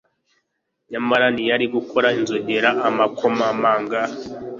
Nyamara ntiyari gukora inzogera, amakomamanga,